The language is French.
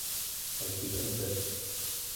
Elle se trompait.